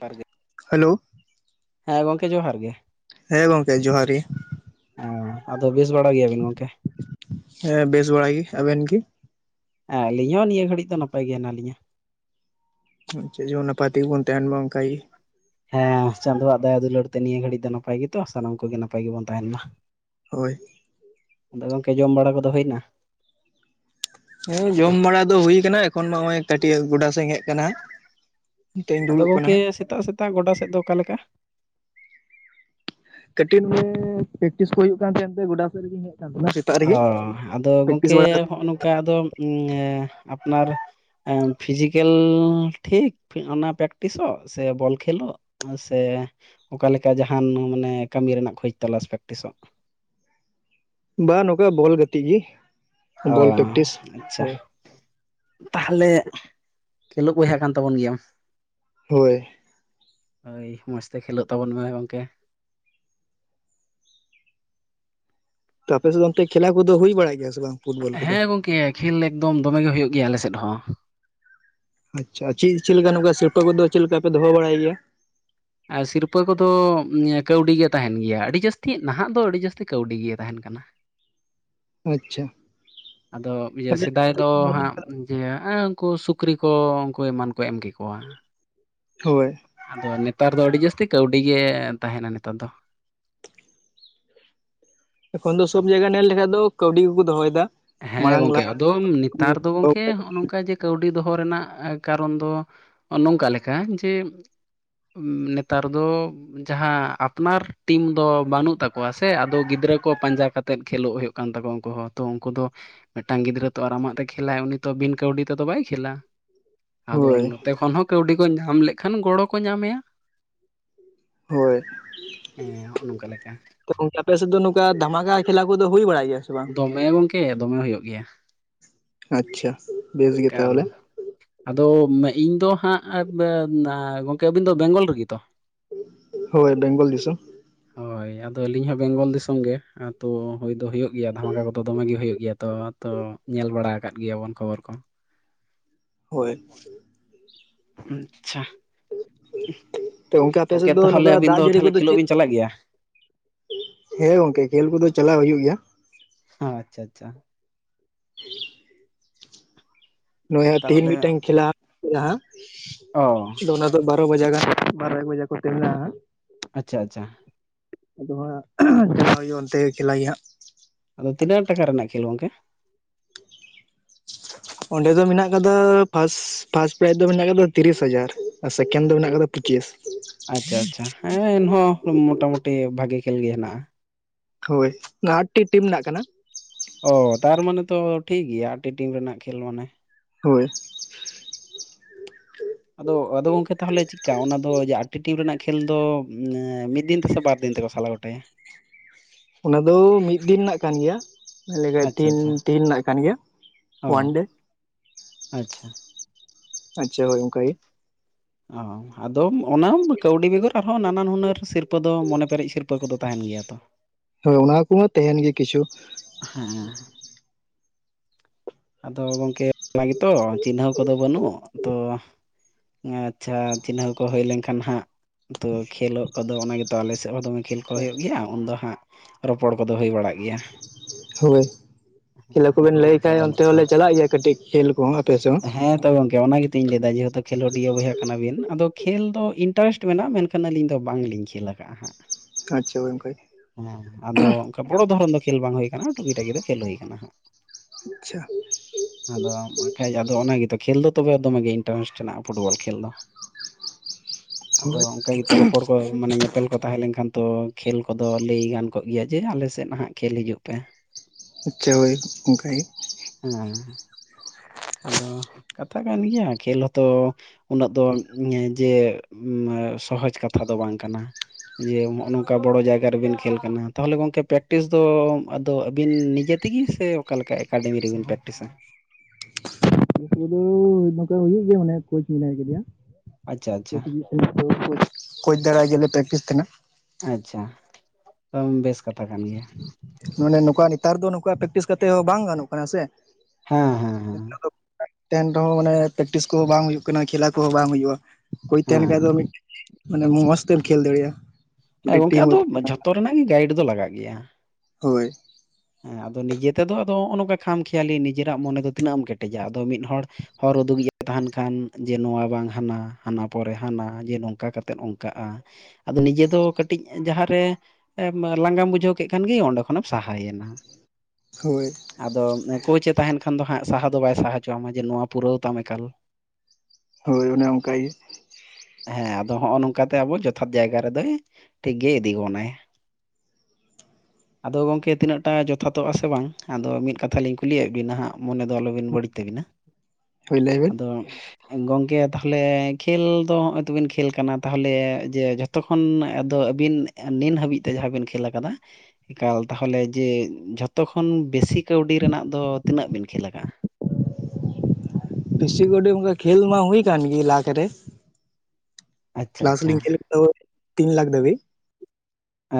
[unintelligible] ᱜᱮ ᱦᱮᱞᱳ᱾ ᱦᱮᱸ ᱜᱚᱝᱠᱮ ᱡᱚᱦᱟᱨ ᱜᱮ᱾ ᱦᱮᱸ ᱜᱚᱝᱠᱮ ᱡᱚᱦᱟᱨᱤ᱾ ᱚ ᱟᱫᱚ ᱵᱮᱥ ᱵᱟᱲᱟ ᱜᱮᱭᱟᱵᱤᱱ ᱜᱚᱝᱠᱮ? ᱦᱮᱸ ᱵᱮᱥ ᱵᱟᱲᱟ ᱜᱮ, ᱟᱵᱮᱱ ᱜᱤ? ᱦᱮᱸ ᱟᱹᱞᱤᱧ ᱦᱚᱸ ᱱᱤᱭᱟᱹ ᱜᱷᱟᱹᱲᱤᱡ ᱫᱚ ᱱᱟᱯᱟᱭ ᱜᱮ ᱦᱮᱱᱟᱸᱜ ᱞᱤᱧᱟ᱾ ᱪᱮᱜ ᱡᱮᱢᱚᱱ ᱱᱟᱯᱟᱭ ᱛᱮᱜᱮᱵᱚᱱ ᱛᱟᱦᱮᱸᱱ ᱢᱟ ᱚᱝᱠᱟ ᱜᱮ᱾ ᱦᱮᱸ ᱪᱟᱸᱫᱳᱣᱟᱜ ᱫᱟᱭᱟ ᱫᱩᱞᱟᱹᱲ ᱛᱮ ᱱᱤᱭᱟᱹ ᱜᱷᱟᱹᱲᱤᱡ ᱫᱚ ᱱᱟᱯᱟᱭ ᱜᱮᱛᱚ ᱥᱟᱱᱟᱢ ᱠᱚᱜᱮ ᱱᱟᱯᱟᱭ ᱜᱮᱵᱚᱱ ᱛᱟᱦᱮᱸᱱ ᱢᱟ᱾ ᱦᱳᱭ᱾ ᱟᱫᱚ ᱜᱚᱝᱠᱮ ᱡᱚᱢ ᱵᱟᱲᱟ ᱠᱚᱫᱚ ᱦᱩᱭ ᱱᱟ? ᱦᱳᱭ ᱡᱚᱢ ᱵᱟᱲᱟ ᱫᱚ ᱦᱩᱭ ᱠᱟᱱᱟ ᱮᱠᱷᱚᱱ ᱢᱟ ᱦᱚᱸᱜᱼᱚᱭ ᱠᱟᱹᱴᱤᱡ ᱜᱚᱰᱟ ᱥᱮᱤᱧ ᱦᱮᱡ ᱠᱟᱱᱟ᱾ ᱱᱤᱛᱚᱜ ᱤᱧ ᱟᱫᱚ ᱫᱩᱲᱩᱵ ᱜᱚᱝᱠᱮ ᱦᱟᱸᱜ᱾ ᱥᱮᱛᱟᱜ ᱥᱮᱛᱟᱜ ᱜᱚᱰᱟ ᱥᱮᱫ ᱫᱚ ᱚᱠᱟ ᱞᱮᱠᱟ? ᱠᱟᱹᱴᱤᱡ [inaudible] ᱯᱮᱠᱴᱤᱥ ᱠᱚ ᱦᱩᱭᱩᱜ ᱠᱟᱱ ᱛᱟᱦᱮᱸᱱᱛᱮ ᱜᱚᱰᱟ ᱥᱮᱫ ᱨᱮᱜᱮᱧ ᱦᱮᱡ ᱠᱟᱱ ᱛᱟᱦᱮᱸᱱᱟ᱾ ᱚ ᱟᱫᱚ ᱜᱚᱝᱠᱮ ᱦᱚᱸᱜᱼᱚᱝᱠᱟ ᱟᱫᱚ ᱟᱯᱱᱟᱨ ᱮᱸ ᱯᱷᱤᱡᱤᱠᱮᱞ ᱴᱷᱤᱠ ᱚᱱᱟ ᱯᱮᱠᱴᱤᱥᱚᱜ, ᱥᱮ ᱵᱚᱞ ᱠᱷᱮᱞᱚᱜ? ᱥᱮ ᱚᱠᱟᱞᱮᱠᱟ ᱡᱟᱦᱟᱸᱱ ᱢᱟᱱᱮ ᱠᱟᱹᱢᱤ ᱨᱮᱱᱟᱜ ᱠᱷᱡᱽ ᱛᱚᱞᱟᱥ ᱯᱨᱮᱠᱴᱤᱥᱚᱜ? ᱵᱟᱝ ᱱᱚᱝᱠᱟ ᱵᱚᱞ ᱜᱟᱛᱮᱜ ᱜᱮ᱾ ᱚ ᱵᱚᱞ ᱯᱨᱮᱠᱴᱤᱥ ᱟᱪᱪᱷᱟ᱾ ᱦᱳᱭ ᱛᱟᱦᱚᱞᱮ ᱠᱷᱮᱞᱳᱜ ᱵᱚᱭᱦᱟᱜ ᱠᱟᱱ ᱛᱟᱵᱚᱱ ᱜᱮᱭᱟᱢ? ᱦᱳᱭ᱾ ᱦᱳᱭ ᱢᱚᱡᱽᱛᱮ ᱠᱷᱮᱞᱳᱜ ᱛᱟᱵᱚᱱ ᱢᱮ ᱜᱚᱝᱠᱮ ᱾ ᱛᱚ ᱟᱯᱮ ᱥᱮᱫ ᱫᱚ ᱚᱱᱛᱮ ᱠᱷᱮᱞᱟ ᱠᱚᱫᱚ ᱦᱩᱭ ᱵᱟᱲᱟᱭ ᱜᱮᱭᱟ ᱥᱮ ᱵᱟᱝ? ᱯᱷᱩᱴᱵᱚᱞ ᱠᱚᱫᱚ ᱦᱮᱸ ᱜᱚᱝᱠᱮ ᱠᱷᱮᱞ ᱮᱠᱫᱚᱢ ᱫᱚᱢᱮ ᱜᱮ, ᱦᱳᱭᱳᱜ ᱜᱮᱭᱟ ᱟᱞᱮ ᱥᱮᱫ ᱦᱚᱸ᱾ ᱟᱪᱪᱷᱟ, ᱪᱮᱫ ᱪᱮᱫ ᱞᱮᱠᱟ ᱱᱚᱝᱠᱟ ᱥᱤᱨᱯᱚ ᱠᱚᱫᱚ, ᱪᱮᱫ ᱞᱮᱠᱟ ᱯᱮ ᱫᱚᱦᱚ ᱵᱟᱲᱟᱭ ᱜᱮᱭᱟ? ᱟᱨ ᱥᱤᱨᱯᱟᱹ ᱠᱚᱫᱚ ᱠᱟᱹᱣᱰᱤ ᱜᱮ ᱛᱟᱦᱮᱱ ᱜᱮᱭᱟ, ᱟᱹᱰᱤ ᱡᱟᱹᱥᱛᱤ ᱱᱟᱦᱟᱜ ᱫᱚ, ᱟᱹᱰᱤ ᱡᱟᱹᱥᱛᱤ ᱠᱟᱹᱣᱰᱤ ᱜᱮ ᱛᱟᱦᱮᱱ ᱠᱟᱱᱟ᱾ ᱟᱪᱪᱷᱟ᱾ ᱟᱫᱚ ᱥᱮᱫᱟᱭ ᱫᱚ ᱦᱟᱸᱜ, ᱡᱮ ᱮ ᱩᱱᱠᱩ ᱥᱩᱠᱨᱤ, ᱠᱚ ᱩᱱᱠᱩ ᱮᱢᱟᱱ ᱠᱚ, ᱮᱢ ᱠᱮ ᱦᱳᱭ, ᱟᱫᱚ ᱱᱮᱛᱟᱨ ᱫᱚ, ᱟᱹᱰᱤ ᱡᱟᱹᱥᱛᱤ ᱠᱟᱹᱣᱰᱤ ᱜᱮ ᱛᱟᱦᱮᱱᱟ ᱱᱮᱛᱟᱨ ᱫᱚ᱾ ᱮᱠᱷᱚᱱ ᱫᱚ ᱥᱚᱵ ᱡᱟᱭᱜᱟ ᱧᱮᱞ ᱞᱮᱠᱷᱟᱡ ᱫᱚ, ᱠᱟᱹᱣᱰᱤ ᱜᱮᱠᱚ ᱫᱚᱦᱚᱭᱫᱟ᱾ ᱦᱮᱸ ᱜᱚᱝᱠᱮ ᱟᱫᱚᱢ ᱱᱮᱛᱟᱨ ᱫᱚ, ᱜᱚᱝᱠᱮ ᱦᱚᱸᱜ ᱱᱚᱝᱠᱟ ᱡᱮ ᱠᱟᱹᱣᱰᱤ ᱫᱚᱦᱚ ᱨᱮᱱᱟᱜ, ᱠᱟᱨᱚᱱ ᱫᱚ ᱱᱚᱝᱠᱟ ᱞᱮᱠᱟ ᱡᱮ ᱩᱢ ᱱᱮᱛᱟᱨ ᱫᱚ ᱡᱟᱦᱟᱸ ᱟᱯᱱᱟᱨ ᱴᱤᱢ ᱫᱚ ᱵᱟᱹᱱᱩᱜ ᱛᱟᱠᱚᱣᱟ ᱥᱮ, ᱟᱫᱚ ᱜᱤᱫᱽᱨᱟᱹ ᱠᱚ ᱯᱟᱸᱡᱟ ᱠᱟᱛᱮᱫ ᱠᱷᱮᱞᱳᱜ ᱦᱳᱭᱳᱜ ᱠᱟᱱ ᱛᱟᱠᱚᱣᱟ ᱩᱱᱠᱩ ᱦᱚᱸ, ᱛᱚ ᱩᱱᱠᱩ ᱫᱚ ᱢᱤᱫᱴᱟᱝ ᱜᱤᱫᱽᱨᱟᱹ ᱛᱚ ᱟᱨ ᱟᱢᱟᱜ ᱛᱮ ᱠᱷᱮᱞᱟᱭ, ᱩᱱᱤ ᱛᱚ ᱵᱤᱱ ᱠᱟᱹᱣᱰᱤ ᱛᱮᱫᱚ ᱵᱟᱭ ᱠᱷᱮᱞᱟ᱾ ᱟᱫᱚ ᱦᱳᱭ ᱱᱚᱛᱮ ᱠᱷᱚᱱ ᱦᱚᱸ ᱠᱟᱹᱣᱰᱤ ᱠᱚ, ᱧᱟᱢ ᱞᱮᱠᱷᱟᱱ ᱜᱚᱲᱚ ᱠᱚ ᱧᱟᱢᱮᱭᱟ᱾ ᱦᱳᱭ ᱦᱮᱸ ᱦᱚᱸᱜᱼᱚ ᱱᱚᱝᱠᱟ ᱞᱮᱠᱟ ᱛᱚ ᱜᱚᱝᱠᱮ ᱟᱯᱮᱥᱮᱫ ᱫᱚ ᱱᱚᱝᱠᱟ, ᱫᱷᱟᱢᱟᱠᱟ ᱠᱷᱮᱞᱟ ᱠᱚᱫᱚ, ᱦᱩᱭ ᱵᱟᱲᱟᱭ ᱜᱮᱭᱟ ᱥᱮ ᱵᱟᱝ? ᱫᱚᱢᱮ ᱜᱚᱝᱠᱮ ᱫᱚᱢᱮ ᱦᱳᱭᱳᱜ ᱜᱮᱭᱟ ᱾ ᱟᱪᱪᱷᱟ ᱵᱮᱥ ᱜᱮ ᱛᱟᱦᱚᱞᱮ᱾ ᱮᱠᱟᱞ ᱟᱫᱚ ᱤᱧ ᱫᱚ ᱦᱟᱸᱜ, ᱜᱚᱢᱠᱮ ᱟᱹᱵᱤᱱ ᱫᱚ ᱵᱮᱝᱜᱚᱞ ᱨᱮᱜᱮ ᱛᱚ? ᱦᱳᱭ ᱵᱮᱝᱜᱚᱞ ᱫᱤᱥᱚᱢ ᱾ ᱦᱳᱭ ᱟᱫᱚ ᱟᱹᱞᱤᱧ ᱦᱚᱸ ᱵᱮᱝᱜᱚᱞ ᱫᱤᱥᱚᱢ ᱜᱮ, ᱟᱛᱚ ᱦᱳᱭ ᱫᱚ ᱦᱳᱭᱳᱜ ᱜᱮᱭᱟ ᱫᱷᱟᱸᱠᱟ ᱠᱚᱫᱚ ᱫᱚᱢᱮᱜ ᱜᱮ ᱦᱳᱭᱳᱜ ᱜᱮᱭᱟ, ᱛᱚ, ᱛᱚ ᱧᱮᱞ ᱵᱟᱲᱟ ᱟᱠᱟᱫ ᱜᱮᱭᱟᱵᱚᱱ ᱠᱷᱚᱵᱚᱨ ᱠᱚ ᱾ ᱦᱳᱭ ᱾ ᱟᱪᱪᱷᱟ, ᱛᱚ ᱟᱯᱮ ᱜᱚᱝᱠᱮ ᱥᱮᱫ ᱫᱚ ᱛᱟᱦᱚᱞᱮ ᱱᱚᱝᱠᱟ ᱟᱹᱵᱤᱱ ᱫᱚ ᱫᱟᱜ ᱡᱟᱹᱲᱤ ᱛᱟᱦᱚᱞᱮ ᱠᱚᱫᱚ ᱠᱷᱮᱞᱳᱜ ᱪᱮᱫ ᱵᱤᱱ ᱪᱟᱞᱟᱜ ᱜᱮᱭᱟ? ᱦᱮᱸ ᱜᱚᱝᱠᱮ ᱠᱷᱮᱞ ᱠᱚᱫᱚ ᱪᱟᱞᱟᱣ ᱦᱳᱭᱳᱜ ᱜᱮᱭᱟ ᱾ ᱟᱪᱪᱷᱟ, ᱟᱪᱪᱷᱟ ᱾ ᱦ [inaudible] [inaudible] ᱱᱩᱭ ᱦᱚᱸᱛᱤᱦᱤᱧ ᱛᱟᱦᱚᱞᱮ ᱢᱤᱫᱴᱟᱝ ᱠᱷᱮᱞᱟ ᱢᱮᱱᱟᱜᱼᱟ᱾ ᱚᱻᱻ᱾ ᱟᱫᱚ ᱚᱱᱟ ᱫᱚ ᱵᱟᱨᱚ ᱵᱟᱡᱟᱜ ᱜᱟᱱ ᱵᱟᱨᱚ, ᱮᱠ ᱵᱟᱡᱟᱜ ᱠᱚᱛᱮ ᱢᱮᱱᱟᱜᱼᱟ᱾ ᱟᱪᱪᱷᱟ ᱟᱪᱪᱷᱟ᱾ ᱟᱫᱚ ᱦᱟᱸᱜ ᱦᱳᱭᱳᱜᱼᱟ, ᱚᱱᱛᱮ ᱜᱮ ᱠᱷᱮᱞᱟ ᱪᱟᱞᱟᱜ ᱟᱹᱧ ᱦᱟᱸᱜ᱾ ᱟᱫᱚ ᱛᱤᱱᱟᱹᱜ ᱴᱟᱠᱟ ᱨᱮᱱᱟᱜ ᱠᱷᱮᱞ ᱜᱚᱝᱠᱮ? ᱚᱸᱰᱮ ᱫᱚ ᱢᱮᱱᱟᱜ ᱠᱟᱫᱟ, ᱯᱷᱟᱥᱴ ᱯᱷᱟᱥᱴ ᱯᱨᱟᱤᱡ ᱫᱚ ᱢᱮᱱᱟᱜ ᱠᱟᱫᱟ, ᱯᱷᱟᱥ ᱯᱨᱟᱭᱤᱡᱽ ᱫᱚ ᱢᱮᱱᱟᱜ ᱠᱟᱫᱟ, ᱛᱤᱨᱤᱥ ᱦᱟᱡᱟᱨ ᱟᱨ ᱥᱮᱠᱮᱱᱰ ᱫᱚ ᱢᱮᱱᱟᱜ ᱠᱟᱫᱟ ᱯᱚᱪᱤᱥ᱾ ᱻᱻᱦ [inaudible] ᱟᱪᱪᱷᱟ ᱟᱪᱪᱷᱟ, ᱦᱮᱸ ᱮᱱᱦᱚᱸ ᱢᱚᱴᱟᱢᱩᱴᱤ ᱵᱷᱟᱜᱮ ᱠᱷᱮᱞ ᱜᱮ ᱦᱮᱱᱟᱜᱼᱟ ᱾ ᱦᱳᱭ ᱟᱴ ᱴᱤ ᱴᱤᱢ ᱨᱮᱱᱟᱜ ᱠᱟᱱᱟ᱾ ᱚ ᱛᱟᱨ ᱢᱟᱱᱮ ᱛᱚ ᱴᱷᱤᱠ ᱜᱮᱭᱟ, ᱟᱴ ᱴᱤ ᱴᱤᱢ ᱨᱮᱱᱟᱜ ᱠᱷᱮᱞ ᱢᱟᱱᱮ᱾ ᱦᱳᱭ ᱾ ᱟᱫᱚ-ᱟᱫᱚ ᱜᱚᱝᱠᱮ ᱛᱟᱦᱚᱞᱮ ᱪᱮᱫᱠᱟ, ᱚᱱᱟ ᱫᱚ ᱟᱴᱴᱤ ᱴᱤᱢ ᱨᱮᱱᱟᱜ ᱠᱷᱮᱞ ᱫᱚ ᱢᱤᱫ ᱫᱤᱱ ᱛᱮ ᱥᱮ ᱵᱟᱨ ᱫᱤᱱ ᱛᱮᱠᱚ ᱥᱟᱞᱟ ᱜᱚᱴᱟᱭᱟ᱾ ᱚᱱᱟ ᱫᱚ ᱢᱤᱫ ᱫᱤᱱ ᱨᱮᱱᱟᱜ ᱠᱟᱱ ᱜᱮᱭᱟ, ᱢᱮᱱᱞᱠᱷᱟᱡ ᱟᱪᱪᱷᱟ ᱟᱪᱪᱷᱟ ᱛᱤᱦᱤᱱ-ᱛᱤᱦᱤᱱ ᱨᱮᱱᱟᱜ ᱠᱟᱱ ᱜᱮᱭᱟ, ᱚ ᱳᱣᱟᱱ ᱰᱮ᱾ ᱟᱪᱪᱷᱟ ᱾ ᱟᱪᱪᱷᱟ ᱦᱳᱭ ᱚᱱᱠᱟ ᱜᱮ᱾ ᱚ ᱟᱫᱚᱢ ᱚᱱᱟᱢ ᱠᱟᱹᱣᱰᱤ ᱵᱮᱜᱚᱨ ᱟᱨᱦᱚᱸ ᱱᱟᱱᱟ ᱦᱩᱱᱟᱹᱨ ᱥᱤᱨᱯᱟᱹ ᱫᱚ ᱢᱚᱱᱮ ᱯᱮᱨᱮᱡ ᱥᱤᱨᱯᱟᱹ ᱠᱚᱫᱚ ᱛᱟᱦᱮᱱ ᱜᱮᱭᱟ ᱛᱚ ᱾ ᱦᱳᱭ ᱚᱱᱟ ᱠᱚᱢᱟ ᱛᱮᱦᱮᱱ ᱜᱮ ᱠᱤᱪᱷᱩ ᱦᱮᱸᱻ᱾ ᱟᱫᱚ ᱜᱚᱝᱠᱮ ᱚᱱᱟ ᱜᱮᱛᱚ ᱪᱤᱱᱦᱟᱹᱣ ᱠᱚᱫᱚ ᱵᱟᱹᱱᱩᱜ ᱛᱚ ᱟᱪᱪᱷᱟ ᱪᱤᱱᱦᱟᱹᱣ ᱠᱚ ᱦᱩᱭ ᱞᱮᱱᱠᱷᱟᱱ ᱦᱟᱸᱜ ᱛᱚ ᱠᱷᱮᱞᱳᱜ ᱠᱚᱫᱚ ᱚᱱᱟ ᱜᱮᱛᱚ ᱟᱞᱮ ᱥᱮᱫ ᱦᱚᱸ ᱫᱚᱢᱮ ᱠᱷᱮᱞ ᱠᱚ ᱦᱩᱭᱩᱜ ᱜᱮᱭᱟ ᱩᱱ ᱫᱚ ᱦᱟᱸᱜ ᱨᱚᱯᱚᱲ ᱠᱚᱫᱚ ᱦᱩᱭ ᱵᱟᱲᱟᱜ ᱜᱮᱭᱟ ᱾ ᱦᱳᱭ ᱠᱷᱮᱞᱟ ᱠᱚᱵᱮᱱ ᱞᱟᱹᱭ ᱪᱤᱱᱦᱟᱹᱣ ᱠᱚ ᱠᱷᱟᱱᱡ ᱵᱟᱹᱱᱩᱜ ᱚᱱᱛᱮ ᱛᱚ ᱦᱚᱞᱮ ᱪᱟᱞᱟᱜ ᱜᱮᱭᱟ ᱠᱟᱹᱴᱤᱡ ᱠᱷᱮᱞ ᱠᱚᱦᱚᱸ ᱟᱯᱮ ᱥᱮ ᱦᱚᱸ᱾ ᱦᱮᱸᱛᱚ ᱜᱚᱝᱠᱮ ᱚᱱᱟ ᱜᱮᱛᱤᱧ ᱞᱟᱹᱭᱮᱫᱟ ᱡᱮᱦᱮᱛᱩ ᱠᱷᱮᱞᱳᱰᱤᱭᱟᱹ ᱵᱚᱭᱦᱟ ᱠᱟᱱᱟᱵᱤᱱ ᱟᱫᱚ ᱠᱷᱮᱞ ᱫᱚ ᱤᱱᱴᱟᱨᱮᱥᱴ ᱢᱮᱱᱟᱜᱼᱟ ᱢᱮᱱᱠᱷᱟᱱ ᱟᱹᱞᱤᱧ ᱫᱚ ᱵᱟᱝᱞᱤᱧ ᱠᱷᱮᱞ ᱟᱠᱟᱜᱼᱟ ᱦᱟᱸᱜ ᱟᱪᱪᱷᱟ ᱦᱳᱭ ᱚᱱᱠᱟᱜᱮ ᱦᱮᱸ ᱟᱫᱚ ᱵᱚᱲᱚ ᱫᱷᱚᱨᱚᱱ ᱫᱚ ᱠᱷᱮᱞ ᱵᱟᱝ ᱦᱩᱭ ᱠᱟᱱᱟ ᱴᱩᱜᱤ ᱴᱟᱜᱤ ᱫᱚ ᱠᱷᱮᱞ ᱦᱩᱭ ᱟᱠᱟᱱᱟ ᱦᱟᱸᱜ᱾ ᱟᱪᱪᱷᱟ᱾ ᱟᱫᱚ ᱵᱟᱠᱷᱟᱡ ᱟᱫᱚ ᱚᱱᱟ ᱜᱮ ᱛᱚ ᱠᱷᱮᱞ ᱫᱚ ᱛᱚᱵᱮ ᱫᱚᱢᱮᱜ ᱜᱮ ᱤᱱᱴᱟᱨᱮᱥᱴ ᱦᱮᱱᱟᱜᱼᱟ ᱯᱷᱩᱴᱵᱚᱞ ᱠᱷᱮᱞ ᱫᱚ᱾ ᱟᱫᱚ ᱦᱳᱭ ᱚᱱᱠᱟ ᱜᱮ ᱛᱚ ᱨᱚᱯᱚᱨ ᱠᱚ ᱢᱟᱱᱮ ᱧᱮᱯᱮᱞ ᱠᱚ ᱛᱟᱦᱮᱸ ᱞᱮᱱ ᱠᱷᱟᱱ ᱛᱚ ᱠᱷᱮᱞ ᱠᱚᱫᱚ ᱞᱟᱹᱭ ᱜᱟᱱ ᱠᱚᱜ ᱜᱮᱭᱟ ᱡᱮ ᱟᱞᱮᱥᱮᱫ ᱱᱟᱦᱟᱜ ᱠᱷᱮᱞ ᱦᱤᱡᱩᱜ ᱯᱮ᱾ ᱱᱤᱪᱷᱟᱹᱭ ᱚᱱᱠᱟᱜᱮ᱾ ᱦᱮᱸᱻ ᱟᱫᱚ ᱠᱟᱛᱷᱟ ᱠᱟᱱ ᱜᱮᱭᱟ ᱠᱷᱮᱞ ᱦᱚᱸᱛᱚ ᱩᱱᱟᱹᱜ ᱫᱚ ᱧᱮ ᱡᱮ ᱥᱚᱦᱚᱡ ᱠᱟᱛᱷᱟ ᱫᱚ ᱵᱟᱝ ᱠᱟᱱᱟ᱾ ᱡᱮ ᱱᱚᱜᱼᱚ ᱱᱚᱝᱠᱟ ᱵᱚᱲᱚ ᱡᱟᱭᱜᱟ ᱨᱮᱵᱤᱱ ᱠᱷᱮᱞ ᱠᱟᱱᱟ, ᱛᱟᱦᱚᱞᱮ ᱜᱚᱝᱠᱮ ᱯᱮᱠᱴᱤᱥ ᱫᱚ ᱟᱫᱚ ᱟᱹᱵᱤᱱ ᱱᱤᱡᱮ ᱛᱤᱜᱤ ᱥᱮ ᱚᱠᱟᱞ ᱞᱮᱠᱟ ᱮᱠᱟᱰᱮᱢᱤ ᱨᱮᱵᱤᱱ ᱯᱮᱠᱴᱤᱥᱟ? [unintelligible] ᱱᱚᱝᱠᱟ ᱦᱩᱭᱩᱜ ᱜᱮᱭᱟ ᱢᱟᱱᱮ ᱠᱳᱪ ᱢᱮᱱᱟᱭ ᱠᱟᱫᱮᱭᱟ᱾ ᱟᱪᱪᱷᱟ ᱟᱪᱪᱷᱟ [unintelligible] ᱠᱳᱪ ᱫᱟᱨᱟᱭ ᱜᱮ ᱯᱨᱠᱤᱥ ᱛᱮᱱᱟ᱾ ᱟᱪᱪᱷᱟ ᱵᱮᱥ ᱠᱟᱛᱷᱟ ᱠᱟᱱ ᱜᱮᱭᱟ᱾ ᱢᱟᱱᱮ ᱱᱚᱝᱠᱟ ᱱᱮᱛᱟᱨ ᱫᱚ ᱱᱚᱝᱠᱟ ᱯᱨᱮᱠᱴᱤᱥ ᱠᱟᱛᱮᱫ ᱦᱚᱸ ᱵᱟᱝ ᱜᱟᱱᱚᱜ ᱠᱟᱱᱟ ᱥᱮ᱾ ᱦᱮᱸ ᱦᱮᱸ᱾ ᱦᱮᱸ ᱱᱤᱛᱚᱜ ᱫᱚ [unintelligible] ᱨᱮᱦᱚᱸ ᱢᱟᱱᱮ ᱯᱨᱮᱠᱴᱤᱥ ᱠᱚᱦᱚᱸ ᱵᱟᱝ ᱦᱩᱭᱩᱜ ᱠᱟᱱᱟ ᱠᱷᱮᱞᱟ ᱠᱚᱦᱚᱸ ᱵᱟᱝ ᱦᱩᱭᱩᱜᱼᱟ᱾ ᱵᱳᱭ ᱛᱟᱦᱮᱱ ᱦᱮᱸ ᱠᱷᱟᱡ ᱫᱚ ᱢᱤᱫ ᱢᱟᱱᱮ ᱢᱚᱸᱡᱽ ᱛᱮᱢ ᱠᱷᱮᱞ ᱫᱟᱲᱮᱭᱟᱜᱼᱟ᱾ ᱦᱮᱸ ᱢᱤᱫᱴᱮᱱ ᱜᱚᱢᱠᱮ ᱴᱤᱢ ᱟᱫᱚ ᱟᱛᱮ᱾ ᱡᱷᱚᱛᱚ ᱨᱮᱱᱟᱜ ᱜᱮ ᱜᱟᱭᱤᱰ ᱫᱚ ᱞᱟᱜᱟᱜ ᱜᱮᱭᱟ᱾ ᱦᱳᱭ᱾ [inaudible] ᱦᱮᱸ ᱟᱫᱚ ᱱᱤᱡᱮ ᱛᱮᱫᱚ ᱟᱫᱚ ᱱᱚᱜᱼᱚ ᱱᱚᱝᱠᱟ ᱠᱷᱟᱢ ᱠᱷᱮᱭᱟᱞᱤ ᱱᱤᱡᱮᱨᱟᱜ ᱢᱚᱱᱮ ᱫᱚ ᱛᱤᱱᱟᱹᱜ ᱮᱢ ᱠᱮᱴᱮᱡᱟ ᱟᱫᱚ ᱢᱤᱫ ᱦᱚᱲ ᱦᱚᱨ ᱩᱫᱩᱜᱤᱡ ᱛᱟᱦᱮᱱ ᱠᱷᱟᱱ ᱡᱮ ᱱᱚᱣᱟ ᱵᱟᱝ ᱦᱟᱱᱟ ᱦᱟᱱᱟ ᱯᱚᱨᱮ ᱦᱟᱱᱟ ᱡᱮ ᱱᱚᱝᱠᱟ ᱠᱟᱛᱮᱫ ᱚᱱᱠᱟᱜᱼᱟ᱾ ᱟᱫᱚ ᱱᱤᱡᱮ ᱫᱚ ᱠᱟᱹᱴᱤᱡ ᱡᱟᱦᱟᱸ ᱨᱮ ᱞᱟᱸᱜᱟᱢ ᱵᱩᱡᱷᱟᱹᱣ ᱠᱮᱫ ᱠᱷᱟᱱ ᱜᱮ ᱚᱸᱰᱮ ᱠᱷᱚᱱᱮᱢ ᱥᱟᱦᱟᱭᱮᱱᱟ᱾ ᱦᱳᱭ᱾ ᱟᱫᱚ ᱠᱳᱪᱮ ᱛᱟᱦᱮᱱ ᱠᱷᱟᱱ ᱫᱚ ᱦᱟᱸᱜ ᱥᱟᱦᱟ ᱫᱚ ᱵᱟᱭ ᱥᱟᱦᱟ ᱦᱚᱪᱚ ᱟᱢᱟ ᱡᱮ ᱱᱚᱣᱟ ᱯᱩᱨᱟᱹᱣ ᱛᱟᱢ ᱮᱠᱟᱞ᱾ [inaudible] ᱦᱳᱭ ᱚᱱᱮ ᱚᱱᱠᱟᱜᱮ᱾ ᱦᱮᱸ ᱟᱫᱚ ᱱᱚᱜᱼᱚ ᱱᱚᱝᱠᱟᱛᱮ ᱟᱵᱚ ᱡᱚᱛᱷᱟᱛ ᱡᱟᱭᱜᱟ ᱨᱮᱫᱚᱭ ᱴᱷᱤᱠ ᱜᱮᱭ ᱤᱫᱤ ᱵᱚᱱᱟ᱾ ᱟᱫᱚ ᱜᱚᱝᱠᱮ ᱛᱤᱱᱟᱹᱜ ᱴᱟ ᱡᱚᱛᱷᱟᱛᱚᱜ ᱟᱥᱮ ᱵᱟᱝ, ᱟᱫᱚ ᱢᱤᱫ ᱠᱟᱛᱷᱟ ᱞᱤᱧ ᱠᱩᱞᱤᱭᱮᱫ ᱵᱤᱱᱟ ᱦᱟᱸᱜ ᱢᱚᱱᱮ ᱫᱚ ᱟᱞᱚᱵᱤᱱ ᱵᱟᱹᱲᱤᱡ ᱛᱟᱹᱵᱤᱱᱟ᱾ ᱦᱳᱭ ᱞᱟᱹᱭ ᱵᱮᱱ ᱟᱫᱚ ᱜᱚᱝᱠᱮ ᱛᱟᱦᱚᱞᱮ ᱠᱷᱮᱞ ᱫᱚ ᱦᱚᱜᱼᱚᱭ ᱛᱵᱤᱱ ᱠᱷᱮᱞ ᱠᱟᱱᱟ ᱛᱟᱦᱚᱞᱮ ᱡᱮ ᱡᱷᱚᱛᱚ ᱠᱷᱚᱱ ᱛᱚ, ᱟᱹᱵᱤᱱ ᱱᱤᱱ ᱦᱟᱹᱵᱤᱡ ᱛᱮ ᱡᱟᱦᱟᱸ ᱵᱤᱱ ᱠᱷᱮᱞ ᱟᱠᱟᱫᱟ ᱮᱠᱟᱞ ᱛᱟᱦᱚᱞᱮ ᱡᱮ ᱡᱷᱚᱛᱚ ᱠᱷᱚᱱ ᱵᱮᱥᱤ ᱠᱟᱹᱣᱰᱤ ᱨᱮᱱᱟᱜ ᱫᱚ ᱛᱤᱱᱟᱹᱜ ᱵᱤᱱ ᱠᱷᱮᱹᱞ ᱠᱟᱜ-ᱟ? ᱵᱮᱥᱤ ᱠᱟᱹᱣᱰᱤ ᱚᱝᱠᱟ ᱠᱷᱮᱹᱞ ᱢᱟ ᱦᱩᱭ ᱠᱟᱱᱜᱮ ᱞᱟᱠ ᱨᱮ, ᱟᱪᱪᱷᱟ ᱠᱞᱟᱥ ᱟᱪᱪᱷᱟ ᱞᱤᱧ ᱠᱷᱮᱹᱞ ᱛᱚ ᱛᱤᱱ ᱞᱟᱠᱷ ᱫᱷᱟᱵᱤᱡ᱾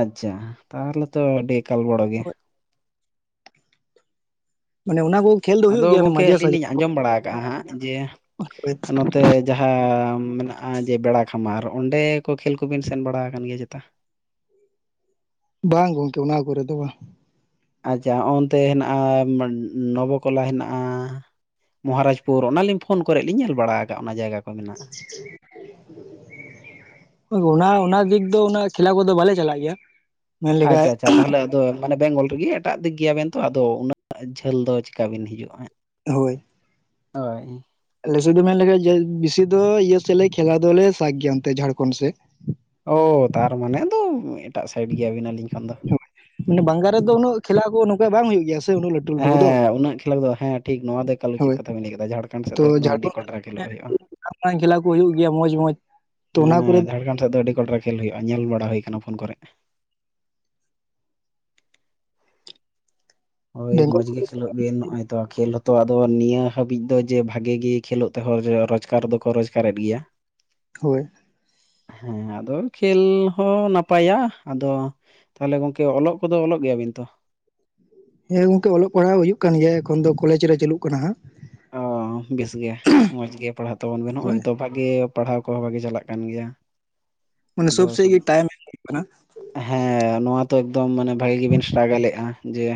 ᱟᱪᱪᱷᱟ, ᱛᱟᱦᱞᱮ ᱛᱚ ᱟᱰᱤ ᱮᱠᱟᱞ ᱵᱚᱲᱚ ᱜᱮᱭᱟ᱾ ᱢᱟᱱᱮ ᱚᱱᱟ ᱵᱚᱞ ᱟᱫᱚ ᱜᱚᱝᱠᱮ ᱟᱹᱞᱤᱧ ᱞᱤᱧ ᱟᱸᱡᱚᱢ ᱵᱟᱲᱟ ᱠᱟᱜ-ᱟ ᱦᱟᱸᱜ ᱡᱮ ᱥᱟᱡᱷᱮ ᱱᱚᱛᱮ ᱡᱟᱦᱟᱸ ᱢᱮᱱᱟᱜ-ᱟ ᱡᱮ ᱵᱮᱲᱟ ᱠᱷᱟᱢᱟᱨ, ᱚᱸᱰᱮ ᱠᱚ ᱠᱷᱮᱹᱞ ᱠᱚᱵᱤᱱ ᱥᱮᱱ ᱵᱟᱲᱟ ᱟᱠᱟᱱ ᱜᱮᱭᱟ ᱪᱮᱛᱟ? ᱵᱟᱝ ᱜᱚᱝᱠᱮ ᱚᱱᱟ ᱠᱚᱨᱮ ᱫᱚ ᱵᱟᱝ᱾ ᱟᱪᱪᱷᱟ ᱦᱚᱸᱜ-ᱚᱱᱛᱮ ᱦᱮᱱᱟᱜ-ᱟ ᱱᱚᱵᱚᱠᱚᱞᱟ ᱦᱮᱱᱟᱜ-ᱟ᱾ ᱢᱚᱦᱟᱨᱟᱡᱽᱯᱩᱨ ᱚᱱᱟᱞᱤᱧ ᱯᱷᱳᱱ ᱠᱚᱨᱮ ᱞᱤᱧ ᱧᱮᱞ ᱵᱟᱲᱟ ᱟᱠᱟᱜ-ᱟ ᱚᱱᱟ ᱡᱟᱭᱜᱟ᱾ ᱠᱚ ᱢᱮᱱᱟᱜᱼᱟ [inaudible] ᱟᱫᱚ ᱚᱱᱟ, ᱚᱱᱟ ᱫᱤᱠ ᱫᱚ ᱩᱱᱟᱹᱜ ᱠᱷᱮᱞᱟ ᱠᱚᱫᱚ ᱵᱟᱞᱮ ᱪᱟᱞᱟᱜ ᱜᱮᱭᱟ᱾ ᱢᱮᱱ ᱞᱮᱠᱷᱟᱡ ᱟᱪᱪᱷᱟ ᱟᱪᱪᱷᱟ᱾ ᱛᱟᱦᱞᱮ ᱟᱫᱚ ᱢᱟᱱᱮ ᱵᱮᱝᱜᱚᱞ ᱨᱮᱜᱮ ᱮᱴᱟᱜ ᱫᱤᱠ ᱜᱮᱭᱟᱵᱮᱱ ᱛᱚ, ᱟᱫᱚ ᱩᱱᱟᱹᱜ ᱡᱷᱟᱹᱞ ᱫᱚ ᱪᱤᱠᱟ ᱵᱮᱱ ᱦᱤᱡᱩᱜ-ᱟ ᱦᱟᱸᱜ? ᱦᱳᱭ᱾ ᱦᱳᱭ᱾ ᱟᱞᱮᱥᱮᱫ ᱫᱚ ᱢᱮᱱ ᱞᱮᱠᱷᱟᱱ ᱡᱮ ᱵᱤᱥᱤ ᱫᱚ ᱤᱭᱟᱹ ᱥᱮᱫᱞᱮ ᱠᱷᱮᱞᱟ ᱫᱚᱞᱮ ᱥᱟᱠ ᱜᱮᱭᱟ ᱚᱱᱛᱮ ᱡᱷᱟᱲᱠᱷᱚᱱ ᱥᱮᱫ᱾ ᱚ, ᱛᱟᱨ ᱢᱟᱱᱮ ᱟᱫᱚ ᱮᱴᱟᱜ ᱥᱟᱭᱤᱰ ᱜᱮᱭᱟᱵᱤᱱ ᱟᱹᱞᱤᱧ ᱠᱷᱚᱱ ᱫᱚ᱾ ᱢᱟᱱᱮ ᱵᱟᱝᱜᱟᱞ ᱨᱮᱫᱚ ᱩᱱᱟᱹᱜ ᱠᱷᱮᱞᱟ ᱠᱚ ᱱᱚᱝᱠᱟ ᱵᱟᱝ ᱦᱩᱭᱩᱜ ᱜᱮᱭᱟ ᱥᱮ᱾ ᱩᱱᱟᱹᱜ ᱞᱟᱹᱴᱩ ᱞᱟᱹᱴᱩ ᱠᱚᱫᱚ ᱦᱮᱸ ᱩᱱᱟᱹᱜ ᱠᱷᱮᱞᱳᱸᱰ ᱫᱚ, ᱦᱮᱸ ᱴᱷᱤᱠ ᱱᱚᱣᱟ ᱫᱚ ᱮᱠᱟᱞ ᱩᱪᱤᱫ ᱦᱳᱭ ᱠᱟᱛᱷᱟ ᱵᱮᱱ ᱞᱟᱹᱭ ᱠᱟᱫᱟ ᱡᱷᱟᱲᱠᱷᱚᱸᱰ ᱥᱮᱫ ᱛᱚ ᱫᱚ ᱮᱠᱫᱚᱢ ᱟᱹᱰᱤ ᱡᱷᱟᱲᱠᱷᱚᱸᱰ ᱠᱚᱴᱨᱟ ᱠᱷᱮᱞᱳᱜ ᱦᱩᱭᱩᱜ-ᱟ᱾ ᱢᱟᱨᱟᱝ ᱠᱷᱮᱞᱟ ᱠᱚ ᱦᱩᱭᱩᱜ ᱜᱮᱭᱟ ᱢᱚᱡᱽ ᱢᱚᱸᱡᱽ᱾ ᱛᱚ ᱚᱱᱟ ᱠᱚᱨᱮ ᱦᱮᱸ ᱡᱷᱟᱲᱠᱷᱚᱸᱰ ᱥᱮᱫ ᱫᱚ ᱟᱹᱰᱤ ᱠᱚᱰᱨᱟ ᱠᱷᱮᱹᱞ ᱦᱩᱭᱩᱜ-ᱟ, ᱧᱮᱞ ᱵᱟᱲᱟ ᱦᱩᱭ ᱠᱟᱱᱟ ᱯᱷᱳᱱ ᱠᱚᱨᱮᱜ᱾ ᱦᱳᱭ ᱵᱮᱝᱜᱚᱞ ᱢᱚᱡᱽ ᱜᱮ᱾ ᱠᱷᱮᱞᱳᱜ ᱵᱮᱱ, ᱱᱚᱜ-ᱚᱭ ᱛᱚ ᱠᱷᱮᱹᱞ ᱦᱚᱸᱛᱚ ᱟᱫᱚ ᱱᱤᱭᱟᱹ ᱦᱟᱹᱵᱤᱡ ᱫᱚ ᱡᱮ ᱵᱷᱟᱜᱮ ᱜᱮ ᱠᱷᱮᱞᱳᱜ ᱛᱮᱦᱚᱸ ᱨᱚᱡᱽᱜᱟᱨ ᱫᱚᱠᱚ ᱨᱚᱡᱽᱜᱟᱨ ᱜᱟᱨᱮᱫ ᱜᱮᱭᱟ᱾ ᱦᱳᱭ᱾ ᱦᱮᱸ ᱟᱫᱚ ᱠᱷᱮᱹᱞ ᱦᱚᱸ ᱱᱟᱯᱟᱭᱟ ᱟᱫᱚ ᱛᱟᱦᱞᱮ ᱜᱚᱝᱠᱮ ᱚᱞᱚᱜ ᱠᱚᱫᱚ ᱚᱞᱚᱜ ᱜᱮᱭᱟᱵᱤᱱ ᱛᱚ? ᱦᱮᱸ ᱜᱚᱝᱠᱮ ᱚᱞᱚᱜ ᱯᱟᱲᱦᱟᱣ ᱦᱩᱭᱩᱜ ᱠᱟᱱ ᱜᱮᱭᱟ ᱮᱠᱷᱚᱱ ᱫᱚ ᱠᱚᱞᱮᱡᱽ ᱨᱮ ᱪᱟᱹᱞᱩᱜ ᱠᱟᱱᱟ ᱦᱟᱸᱜ᱾ ᱚ ᱵᱮᱥ ᱜᱮ, ᱢᱚᱸᱡᱽ ᱜᱮ ᱯᱟᱲᱦᱟᱜ ᱛᱟᱵᱚᱱ ᱵᱮᱱ ᱱᱚᱜ-ᱚᱭ ᱦᱳᱭ ᱛᱚ ᱵᱷᱟᱜᱮ ᱯᱟᱲᱦᱟᱣ ᱠᱚᱦᱚᱸ ᱵᱷᱟᱜᱮ ᱪᱟᱞᱟᱜ ᱠᱟᱱ ᱜᱮᱭᱟ᱾ ᱢᱟᱱᱮ ᱟᱫᱚ ᱥᱚᱵ ᱥᱮᱫ ᱜᱮ ᱥᱩᱫᱩ ᱴᱟᱭᱤᱢ ᱮᱢ ᱦᱩᱭᱩᱜ ᱠᱟᱱᱟ ᱦᱮᱸ ᱱᱚᱣᱟ ᱛᱚ ᱮᱠᱫᱚᱢ ᱢᱟᱱᱮ ᱵᱷᱟᱜᱮ ᱜᱮᱵᱤᱱ ᱥᱴᱨᱟᱜᱮᱞᱮᱜ-ᱟ ᱡᱮ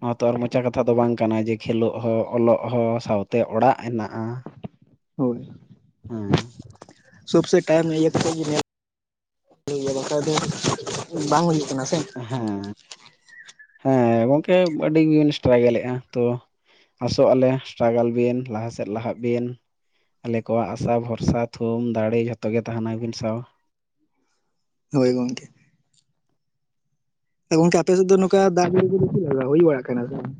ᱱᱚᱣᱟ ᱛᱚ ᱟᱨ ᱢᱚᱪᱟ ᱠᱟᱛᱷᱟ ᱫᱚ ᱵᱟᱝ ᱠᱟᱱᱟ ᱡᱮ, ᱠᱷᱮᱞᱳᱜ ᱦᱚᱸ ᱚᱞᱚᱜ ᱦᱚᱸ ᱥᱟᱶ ᱛᱮ ᱚᱲᱟᱜ ᱦᱮᱱᱟᱜ-ᱟ ᱦᱳᱭ ᱦᱮᱸ᱾ ᱥᱚᱵ ᱥᱮᱜ ᱴᱟᱭᱤᱢ ᱤᱭᱟᱹ ᱠᱟᱛᱮᱜ ᱜᱮ ᱧᱮᱞ ᱦᱩᱭᱩᱜ ᱜᱮᱭᱟ, ᱵᱟᱠᱷᱟᱡ ᱫᱚ ᱵᱟᱝ ᱦᱩᱭᱩᱜ ᱠᱟᱱᱟ ᱥᱮ? ᱦᱮᱸ, ᱦᱮᱸ ᱜᱚᱝᱠᱮ ᱟᱹᱰᱤ ᱜᱮᱵᱤᱱ ᱥᱴᱨᱟᱜᱮᱞᱮᱜ-ᱟ ᱛᱚ ᱟᱥᱚᱜ-ᱟᱞᱮ ᱥᱴᱨᱟᱜᱟᱞ ᱵᱤᱱ, ᱞᱟᱦᱟ ᱥᱮᱫ ᱞᱟᱦᱟᱜ ᱵᱤᱱ᱾ ᱟᱞᱮ ᱠᱚᱣᱟᱜ ᱟᱥᱟ ᱵᱷᱚᱨᱥᱟ ᱛᱷᱩᱢ ᱫᱟᱲᱮ ᱡᱷᱚᱛᱚ ᱜᱮ ᱛᱟᱸᱦᱮᱱᱟ ᱟᱵᱤᱱ ᱥᱟᱶ᱾ ᱦᱳᱭ ᱜᱚᱝᱠᱮ᱾ ᱜᱚᱝᱠᱮ ᱟᱯᱮ ᱥᱮᱫ ᱫᱚ ᱱᱚᱝᱠᱟ ᱫᱟᱜ ᱡᱟᱹᱲᱤ ᱠᱚ ᱫᱚ ᱪᱮᱫ ᱞᱮᱠᱟ ᱦᱩᱭ ᱵᱟᱲᱟᱜ ᱠᱟᱱᱟ ᱥᱮ ᱵᱟᱝ?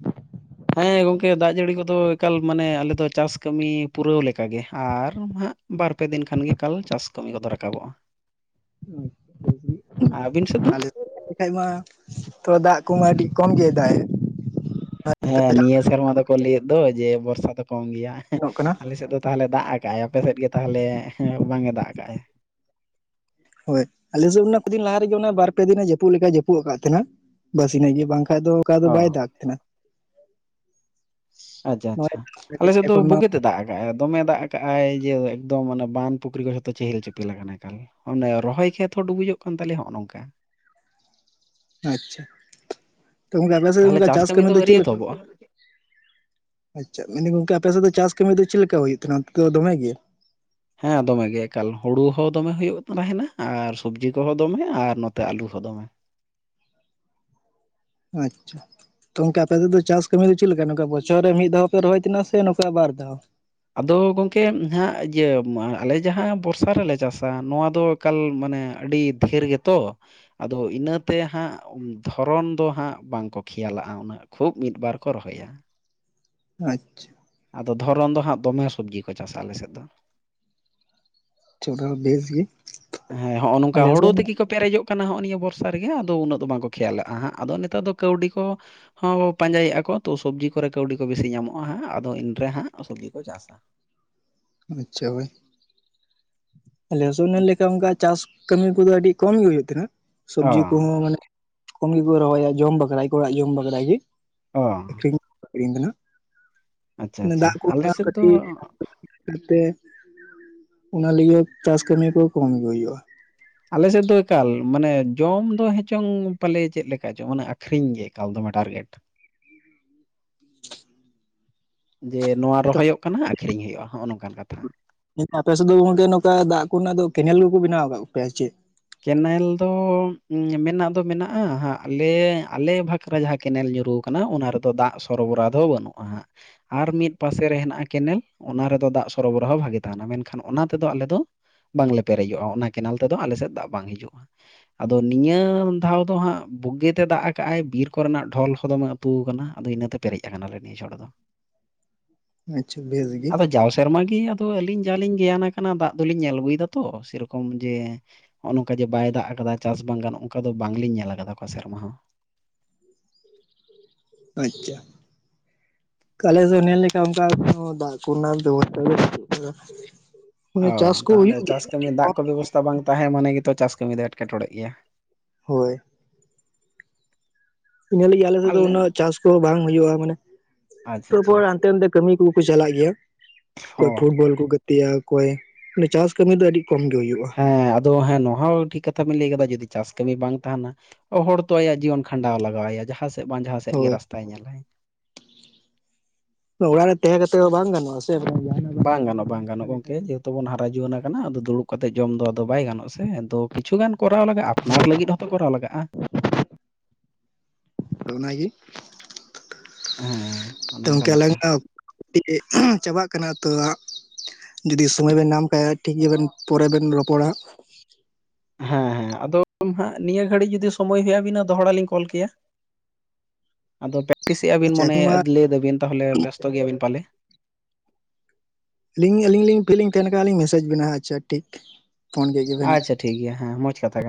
ᱦᱮᱸ ᱜᱚᱝᱠᱮ ᱫᱟᱜ ᱡᱟᱹᱲᱤ ᱠᱚᱫᱚ ᱮᱠᱟᱞ ᱢᱟᱱᱮ ᱟᱞᱮ ᱫᱚ ᱪᱟᱥ ᱠᱟᱹᱢᱤ ᱯᱩᱨᱟᱹᱣ ᱞᱮᱠᱟᱜᱮ, ᱟᱨ ᱦᱟᱸᱜ ᱵᱟᱨ-ᱯᱮ ᱫᱤᱱ ᱠᱷᱟᱱᱜᱮ ᱮᱠᱟᱞ ᱪᱟᱥ ᱠᱟᱹᱢᱤ ᱠᱚᱫᱚ ᱨᱟᱠᱟᱵᱚᱜ-ᱟ᱾ ᱟᱹᱵᱤᱱ ᱥᱮᱫ ᱫᱚ? ᱟᱞᱮ ᱠᱷᱟᱡ ᱢᱟ ᱛᱚ ᱫᱟᱜ ᱠᱚᱢᱟ ᱠᱟᱴᱤᱡ ᱠᱚᱢ ᱜᱮ ᱫᱟᱜ ᱮᱫ᱾ ᱦᱮᱸ ᱱᱤᱭᱟᱹ ᱥᱮᱨᱢᱟ ᱫᱚᱠᱚ ᱞᱟᱹᱭᱮᱫ ᱫᱚ ᱡᱮ ᱵᱚᱨᱥᱟ ᱫᱚ ᱠᱚᱢ ᱜᱮᱭᱟ᱾ ᱧᱚᱜ ᱠᱟᱱᱟ ᱟᱞᱮ ᱥᱮᱫ ᱫᱚ ᱛᱟᱦᱚᱞᱮ ᱫᱟᱜ ᱟᱠᱟᱜᱼᱟᱭ ᱟᱯᱮᱥᱮᱫ ᱜᱮ ᱛᱟᱦᱚᱞᱮ ᱵᱟᱝ ᱮ ᱫᱟᱜ ᱠᱟᱜ-ᱟᱭ᱾ ᱦᱳᱭ ᱟᱞᱮ ᱥᱮᱫ ᱚᱱᱟ ᱠᱚ ᱫᱤᱱ ᱞᱟᱦᱟ ᱨᱮᱜᱮ ᱚᱱᱟ ᱵᱟᱨ ᱯᱮ ᱫᱤᱱᱮ ᱡᱟᱹᱯᱩᱫ ᱞᱮᱠᱟᱭ ᱡᱟᱹᱯᱩᱫ ᱟᱠᱟᱫ ᱛᱟᱦᱮᱱᱟ᱾ ᱵᱟᱥ ᱤᱱᱟᱹᱜ ᱜᱮ ᱵᱟᱝᱠᱷᱟᱡ ᱫᱚ ᱚᱱᱠᱟ ᱫᱚ ᱚ ᱵᱟᱭ ᱫᱟᱜ ᱛᱟᱦᱮᱱᱟ᱾ ᱟᱪᱪᱷᱟ ᱟᱪᱪᱷᱟ᱾ ᱟᱞᱮᱥᱮᱫ ᱫᱚ ᱵᱳᱜᱮᱛᱮ ᱫᱟᱜ ᱠᱟᱜᱼᱟᱭ᱾ ᱫᱚᱢᱮ ᱫᱟᱜ ᱠᱟᱜ-ᱟᱭ ᱡᱮ ᱮᱠᱫᱚᱢ ᱚᱱᱟ ᱵᱟᱸᱱᱫᱷ ᱯᱩᱠᱷᱨᱤ ᱠᱚ ᱡᱷᱚᱛᱚ ᱪᱮᱦᱮᱞ ᱪᱮᱯᱮᱞ ᱟᱠᱟᱱᱟ ᱮᱠᱟᱞ᱾ ᱚᱱᱮ ᱨᱚᱦᱚᱭ ᱠᱷᱮᱛ ᱦᱚᱸ ᱰᱩᱵᱩᱡᱚᱜ ᱠᱟᱱ ᱛᱟᱞᱮᱭᱟ ᱦᱚᱸᱜ-ᱚ ᱱᱚᱝᱠᱟ᱾ ᱟᱪᱪᱷᱟ᱾ ᱛᱚ ᱜᱚᱝᱠᱮ ᱟᱯᱮ ᱥᱮᱫ ᱚᱱᱠᱟ ᱪᱟᱥ ᱠᱟᱹᱢᱤ ᱫᱚ ᱪᱮᱫ ᱞᱮᱠᱟ? ᱟᱪᱪᱷᱟ ᱢᱮᱱᱫᱟᱹᱧ ᱜᱚᱝᱠᱮ ᱟᱯᱮᱥᱮᱫ ᱫᱚ ᱪᱟᱥ ᱠᱟᱹᱢᱤ ᱫᱚ ᱪᱮᱫ ᱞᱮᱠᱟ ᱦᱩᱭᱩᱜ ᱛᱟᱦᱮᱱᱟ ᱚᱱᱛᱮᱫᱚ ᱫᱚᱢᱮ ᱜᱮ? ᱦᱮᱸ ᱫᱚᱢᱮ ᱜᱮ ᱮᱠᱟᱞ᱾ ᱦᱩᱲᱩ ᱦᱚᱸ ᱫᱚᱢᱮ ᱦᱩᱭᱩᱜ ᱛᱟᱦᱮᱱᱟ ᱟᱨ ᱥᱚᱵᱽᱡᱤ ᱠᱚᱦᱚᱸ ᱫᱚᱢᱮ ᱟᱨ ᱱᱚᱛᱮ ᱟᱞᱩ ᱦᱚᱸ ᱫᱚᱢᱮ᱾ ᱟᱪᱪᱷᱟ᱾ ᱛᱚ ᱜᱚᱝᱠᱮ ᱟᱯᱮᱥᱮᱫ ᱫᱚ ᱪᱟᱥ ᱠᱟᱹᱢᱤ ᱫᱚ ᱪᱮᱫᱞᱮᱠᱟ, ᱱᱚᱝᱠᱟ ᱵᱚᱪᱷᱚᱨ ᱨᱮ ᱢᱤᱫ ᱫᱷᱟᱣ ᱯᱮ ᱨᱚᱦᱚᱭ ᱛᱟᱦᱮᱱᱟ ᱥᱮ ᱱᱚᱝᱠᱟ ᱵᱟᱨ ᱫᱷᱟᱣ? ᱟᱫᱚ ᱜᱚᱢᱠᱮ ᱱᱟᱦᱟᱜ ᱤᱭᱟᱹ ᱟᱞᱮ ᱡᱟᱦᱟᱸ ᱵᱚᱨᱥᱟ ᱨᱮᱞᱮ ᱪᱟᱥᱟ᱾ ᱱᱚᱣᱟ ᱫᱚ ᱮᱠᱟᱞ ᱢᱟᱱᱮ ᱟᱹᱰᱤ ᱰᱷᱮᱨ ᱜᱮᱛᱚ᱾ ᱟᱫᱚ ᱤᱱᱟᱹᱛᱮ ᱦᱟᱸᱜ ᱫᱷᱚᱨᱚᱱ ᱫᱚ ᱦᱟᱸᱜ ᱵᱟᱝᱠᱚ ᱠᱷᱮᱭᱟᱞᱟᱜ-ᱟ ᱩᱱᱟᱹᱜ᱾ ᱠᱷᱩᱵ ᱢᱤᱫ ᱵᱟᱨ ᱠᱚ ᱨᱚᱦᱚᱭᱟ᱾ ᱟᱪᱪᱷᱟ᱾ ᱟᱫᱚ ᱫᱷᱚᱨᱚᱱ ᱫᱚ ᱦᱟᱸᱜ ᱫᱚᱢᱮ ᱥᱚᱵᱽᱡᱤ ᱠᱚ ᱪᱟᱥᱟ ᱟᱞᱮ ᱥᱮᱫ ᱫᱚ᱾ [unintelligible] ᱵᱮᱥ ᱜᱮ᱾ ᱦᱮᱸ ᱦᱚᱸᱜ-ᱚ ᱱᱚᱝᱠᱟ ᱟᱞᱮ ᱦᱳᱲᱳ ᱥᱮᱱ ᱛᱮᱠᱤ ᱠᱚ ᱯᱮᱨᱮᱡᱚᱜ ᱠᱟᱱᱟ ᱦᱚᱸᱜ-ᱚ ᱱᱤᱭᱟᱹ ᱵᱚᱨᱥᱟ ᱨᱮᱜᱮ ᱟᱫᱚ ᱩᱱᱟᱹᱜ ᱫᱚ ᱵᱟᱝᱠᱚ ᱠᱷᱮᱭᱟᱞᱟᱜ-ᱟ ᱦᱟᱸᱜ᱾ ᱟᱫᱚ ᱱᱮᱛᱟᱨ ᱫᱚ ᱠᱟᱹᱣᱰᱤ ᱠᱚ ᱦᱚᱸ ᱠᱚ ᱯᱟᱸᱡᱟᱭᱮᱫ-ᱟ ᱠᱚ᱾ ᱛᱚ ᱥᱚᱵᱽᱡᱤ ᱠᱚᱨᱮ ᱠᱟᱹᱣᱰᱤ ᱠᱚ ᱵᱤᱥᱤ ᱧᱟᱢᱚᱜ-ᱟ ᱦᱟᱸᱜ ᱟᱫᱚ ᱤᱱᱨᱮ ᱦᱟᱸᱜ ᱥᱚᱵᱡᱤ ᱠᱚ ᱪᱟᱥᱟ᱾ ᱟᱪᱪᱷᱟ ᱦᱳᱭ᱾ ᱟᱞᱮ ᱦᱚᱥᱮ ᱚᱱᱟ ᱞᱮᱠᱟ ᱚᱱᱠᱟ ᱪᱟᱥ ᱠᱟᱹᱢᱤ ᱠᱚᱫᱚ ᱟᱹᱰᱤ ᱠᱚᱢ ᱜᱮ ᱦᱩᱭᱩᱜ ᱛᱟᱦᱮᱸᱱᱟ᱾ ᱚ ᱥᱚᱵᱽᱡᱤ ᱠᱚᱦᱚᱸ ᱢᱟᱱᱮ ᱠᱚᱢ ᱜᱮᱠᱚ ᱨᱚᱦᱚᱭᱟ ᱡᱚᱢ ᱵᱟᱠᱷᱨᱟ ᱜᱮᱠᱚ ᱚᱲᱟᱜ ᱡᱚᱢ ᱵᱟᱠᱷᱨᱟ ᱜᱮ᱾ ᱚ ᱟᱠᱷᱨᱤᱧ ᱟᱪᱪᱷᱟ ᱟᱪᱪᱷᱟ ᱟᱞᱮ ᱥᱮᱫ ᱫᱚ [unintelligible] [unintelligible] ᱛᱮ ᱚᱱᱟ ᱞᱟᱹᱜᱤᱫ ᱦᱚ ᱪᱟᱥ ᱠᱟᱹᱢᱤ ᱠᱚ ᱠᱚᱢᱜᱮ ᱦᱩᱭᱩᱜ-ᱟ᱾ ᱟᱞᱮᱥᱮᱫ ᱫᱚ ᱮᱠᱟᱞ ᱢᱟᱱᱮ ᱡᱚᱢ ᱫᱚ ᱦᱮᱪᱚᱝ ᱯᱟᱞᱮ ᱪᱮᱫ ᱞᱮᱠᱟ ᱪᱚᱝ ᱢᱟᱱᱮ ᱟᱠᱷᱨᱤᱧ ᱜᱮ ᱮᱠᱟᱞ ᱫᱚᱢᱮ ᱴᱟᱨᱜᱮᱴ᱾ [inaudible] ᱡᱮ ᱱᱚᱣᱟ ᱨᱚᱦᱚᱭᱚᱜ ᱠᱟᱱᱟ ᱟᱠᱷᱨᱤᱧ ᱦᱩᱭᱩᱜᱼᱟ ᱦᱚᱸᱜ-ᱚ ᱱᱚᱝᱠᱟᱱ ᱠᱟᱛᱷᱟ᱾ [unintelligible] ᱟᱯᱮ ᱥᱮᱫ ᱫᱚ ᱜᱚᱝᱠᱮ ᱱᱚᱝᱠᱟ ᱫᱟᱜ ᱠᱚᱨᱮᱱᱟᱜ ᱫᱚ ᱠᱮᱱᱮᱞ ᱠᱚᱠᱚ ᱵᱮᱱᱟᱣ ᱟᱠᱟᱫ ᱯᱮᱭᱟ ᱥᱮ ᱪᱮᱫ? ᱠᱮᱱᱮᱞ ᱫᱚ ᱢᱮᱱᱟᱜ ᱫᱚ ᱢᱮᱱᱟᱜ-ᱟ ᱦᱟ. ᱜ ᱞᱮ ᱟᱞᱮ ᱵᱷᱟᱜ ᱠᱨᱮ ᱡᱟᱦᱟ ᱠᱮᱱᱮᱞ ᱧᱩᱨᱩᱣ ᱠᱟᱱᱟ᱾ ᱚᱱᱟ ᱨᱮᱫᱚ ᱫᱟᱜ ᱥᱚᱨᱵᱚᱨᱟ ᱫᱷᱚ ᱵᱟᱹᱱᱩᱜ-ᱟ ᱦᱟᱸᱜ᱾ ᱟᱨ ᱢᱤᱫ ᱯᱟᱥᱮ ᱨᱮ ᱦᱮᱱᱟᱜ-ᱟ ᱠᱮᱱᱮᱞ᱾ ᱚᱱᱟ ᱨᱮᱫᱚ ᱫᱟᱜ ᱥᱚᱨᱚᱵᱚᱨᱚᱦᱚ ᱵᱷᱟᱜᱮ ᱛᱟᱦᱮᱱᱟ᱾ ᱢᱮᱱᱠᱷᱟᱱ ᱚᱱᱟ ᱛᱮᱫᱚ ᱟᱞᱮ ᱫᱚ ᱵᱟᱝᱞᱮ ᱯᱮᱨᱮᱡᱚᱜ-ᱟ᱾ ᱚᱱᱟ ᱠᱮᱱᱮᱞ ᱛᱮᱫᱚ ᱟᱞᱮ ᱥᱮᱫ ᱫᱟᱜ ᱵᱟᱝ ᱦᱤᱡᱩᱜ-ᱟ᱾ ᱟᱫᱚ ᱱᱤᱭᱟᱹ ᱫᱷᱟᱣ ᱫᱚ ᱦᱟᱸᱜ ᱵᱩᱜᱤᱛᱮ ᱫᱟᱜ ᱠᱟ-ᱟᱭ ᱵᱤᱨ ᱠᱚᱨᱮᱱᱟᱜ ᱰᱷᱚᱞ ᱦᱚᱸ ᱫᱚᱢᱮ ᱛᱩᱣ ᱠᱟᱱᱟ᱾ ᱟᱫᱚ ᱤᱱᱟᱹᱛᱮ ᱯᱮᱨᱮᱡ ᱟᱠᱟᱱᱟᱞᱮ ᱱᱤᱭᱟᱹ ᱪᱷᱚᱴ ᱫᱚ᱾ ᱟᱪᱪᱷᱟ ᱵᱮᱥ ᱜᱮ ᱟᱫᱚ ᱡᱟᱣ ᱥᱮᱨᱢᱟ ᱜᱤ ᱟᱫᱚ ᱛᱚ ᱟᱹᱞᱤᱧ ᱡᱟᱟᱞᱤᱧ ᱜᱮᱭᱟᱱ ᱠᱟᱱᱟ᱾ ᱫᱟᱜ ᱫᱚᱞᱤᱧ ᱧᱮᱞ ᱟᱹᱜᱩᱭᱮᱫᱟ ᱛᱚ ᱥᱮᱨᱚᱠᱚᱢ ᱡᱮ ᱦᱚᱸᱜ-ᱚ ᱱᱚᱝᱠᱟ ᱡᱮ ᱵᱟᱭ ᱫᱟᱜ ᱟᱠᱟᱫᱟ᱾ ᱪᱟᱥ ᱵᱟᱝ ᱜᱟᱱᱚᱜ ᱚᱱᱠᱟ ᱫᱚ ᱵᱟᱝᱞᱤᱧ ᱧᱮᱞ ᱟᱠᱟᱫᱟ ᱚᱠᱟ ᱥᱮᱨᱢᱟ ᱦᱚᱸ᱾ [inaudible] ᱚ ᱟᱪᱪᱷᱟ᱾ ᱠᱟᱞᱮ ᱫᱚ ᱱᱮᱞ ᱞᱮᱠᱟ ᱚᱱᱟᱠᱟ ᱫᱚ ᱫᱟᱜ ᱠᱚᱨᱮᱱᱟᱜ ᱵᱮᱵᱚᱥᱛᱟ ᱫᱚ ᱵᱟᱪᱩᱜ ᱠᱟᱫᱟ᱾ ᱚ ᱛᱟᱦᱚᱞᱮ ᱪᱟᱥ ᱠᱟᱹᱢᱤ ᱫᱟᱜ ᱠᱚᱢ ᱠᱚ ᱵᱮᱵᱚᱥᱛᱛᱟ ᱵᱟᱝ ᱛᱟᱦᱮᱸ ᱢᱟᱱᱮ ᱜᱮ ᱛᱚ ᱪᱟᱥ ᱠᱟᱹᱢᱤ ᱫᱚ ᱮᱴᱠᱮᱴᱚᱬᱮ ᱜᱮᱭᱟ, ᱦᱳᱭ, ᱧᱮᱞᱤ-ᱟᱹᱧ ᱟᱞᱮ ᱥᱮᱫ ᱫᱚ ᱩᱱᱟᱹᱜ ᱪᱟᱥ ᱠᱚᱦᱚᱸ ᱵᱟᱝ ᱦᱩᱭᱩᱜᱭᱳᱼᱟ ᱢᱟᱱᱮ ᱟᱪᱪᱷᱟ ᱟᱪᱪᱷᱟ ᱛᱯᱚᱨ ᱦᱟᱱᱛᱮ ᱱᱟᱛᱮ ᱠᱟᱹᱢᱤ ᱠᱩ ᱠᱩ ᱪᱟᱞᱟᱜ ᱜᱮᱭᱟ ᱚᱠᱚᱭ ᱦᱚᱸ ᱯᱷᱩᱴᱵᱚᱞ ᱠᱚ ᱜᱟᱛᱮᱭᱟ ᱾ ᱚᱠᱚᱭ ᱱᱮ ᱪᱟᱥ ᱠᱟᱹᱢᱤ ᱫᱚ ᱟᱹᱰᱤ ᱠᱚᱢ ᱜᱮ ᱦᱩᱭᱩᱜᱼᱟ ᱾ ᱦᱮᱸ ᱟᱫᱚ ᱦᱮᱸ ᱱᱚᱣᱟ ᱦᱚ ᱴᱷᱤᱠ ᱠᱟᱛᱷᱟ ᱵᱮᱱ ᱞᱟᱹᱭ ᱠᱟᱫᱟ ᱡᱩᱫᱤ ᱪᱟᱥ ᱠᱟᱹᱢᱤ ᱵᱟᱝ ᱛᱟᱦᱮᱱᱟ, ᱦᱚᱲ ᱛᱚ ᱟᱭᱟᱜ ᱡᱤᱭᱚᱱ ᱠᱷᱟᱸᱰᱟᱣ ᱞᱟᱜᱟᱣ ᱟᱭᱟ ᱡᱟᱦᱟᱸ ᱥᱮᱫ ᱵᱟᱝ ᱡᱟᱦᱟᱸ ᱥᱮᱫ ᱜᱮ ᱦᱳᱭ ᱨᱟᱥᱛᱟᱭ ᱧᱮᱞᱟᱭ, ᱚᱲᱟᱜ ᱨᱮ ᱛᱮᱦᱮᱸ ᱠᱟᱛᱮ ᱦᱚᱸ ᱵᱟᱝ ᱜᱟᱱᱚᱜᱼᱟ ᱥᱮ ᱵᱟᱝ ᱡᱟᱦ ᱵᱟᱝ ᱜᱟᱱᱚᱜ ᱵᱟᱝ ᱜᱟᱱᱚᱜ ᱜᱚᱢᱠᱮ ᱡᱮᱦᱮᱛᱩ ᱵᱚᱱ ᱦᱟᱨᱟ ᱡᱩᱣᱟᱹᱱ ᱠᱟᱱᱟ ᱟᱫᱚ ᱫᱩᱲᱩᱵ ᱠᱟᱛᱮ ᱡᱚᱢ ᱫᱚ ᱟᱫᱚ ᱵᱟᱭ ᱜᱟᱱᱚᱜ ᱟ ᱥᱮ ᱟᱫᱚ ᱠᱤᱪᱷ ᱜᱟᱱ ᱠᱚᱨᱟᱣ ᱞᱟᱜᱟᱜᱼᱟ ᱟᱯᱱᱟᱨ ᱞᱟᱹᱜᱤᱫ ᱦᱚᱸᱛᱚ ᱠᱚᱨᱟᱣ ᱞᱟᱜᱟᱜᱼᱟ, ᱟᱫᱚ ᱚᱱᱟᱜᱤ, ᱦᱮᱸᱻ [inaudible] ᱪᱟᱵᱟᱜ ᱠᱟᱱᱟ ᱛᱚ ᱦᱟ. ᱡᱩᱫᱤ ᱥᱚᱢᱚᱭ ᱵᱮᱱ ᱧᱟᱢ ᱠᱟᱡ ᱴᱷᱤᱠ ᱜᱮᱵᱮᱱ ᱯᱚᱨᱮ ᱵᱮᱱ ᱨᱚᱯᱚᱲᱟ, ᱦᱮᱸ ᱦᱮᱸ ᱟᱫᱚ ᱦᱟ. ᱜ ᱱᱤᱭᱟᱹ ᱜᱷᱟᱹᱲᱤᱡ ᱡᱩᱫᱤ ᱥᱳᱢᱳᱭ ᱦᱳᱭ ᱟᱵᱤᱱᱟ ᱫᱚᱦᱚᱲᱟ ᱞᱤᱧ ᱠᱚᱞ ᱠᱮᱭᱟ, ᱟᱫᱚ ᱯᱮᱠᱴᱤᱥᱮᱜᱼᱟ ᱵᱤᱱ ᱟᱪᱪᱷᱟ ᱢᱚᱱᱮ ᱮᱠᱷᱚᱱ ᱢᱟ ᱞᱟᱹᱭ ᱫᱟᱵᱤᱱ ᱛᱟᱦᱞᱮ ᱵᱮᱥᱛᱚ ᱜᱮᱭᱟ ᱵᱤᱱ ᱯᱟᱞᱮ, ᱟᱹᱞᱤᱧ ᱟᱹᱞᱤᱧ ᱞᱤᱧ ᱯᱷᱤᱞᱤᱧ ᱛᱟᱦᱮᱱ ᱠᱷᱟᱱ ᱞᱤᱧ ᱢᱮᱥᱮᱡᱽ ᱵᱤᱱᱟ ᱟᱪᱪᱷᱟ ᱴᱷᱤᱠ ᱯᱷᱳᱱ ᱠᱮᱫ ᱜᱮᱵᱮᱱ ᱱᱟᱦᱱᱟᱜ, ᱟᱪᱪᱷᱟ ᱴᱷᱤᱠ ᱜᱮᱭᱟ ᱦᱮᱸ ᱢᱚᱡᱽ ᱠᱟᱛᱷᱟ ᱠᱟ